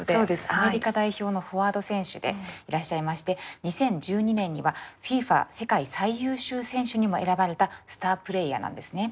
アメリカ代表のフォワード選手でいらっしゃいまして２０１２年にはＦＩＦＡ世界最優秀選手にも選ばれたスタープレーヤーなんですね。